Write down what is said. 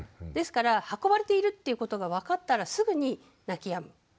ですから運ばれているということが分かったらすぐに泣きやむ。